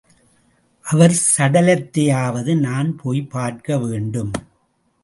அவர் சடலத்தையாவது நான் போய்ப் பார்க்கவேண்டும்.